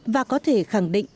và có thể khẳng định